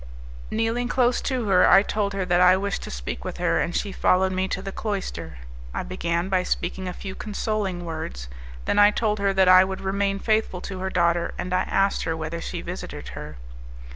Kneeling close to her, I told her that I wished to speak with her, and she followed me to the cloister. I began by speaking a few consoling words; then I told her that I would remain faithful to her daughter, and I asked her whether she visited her.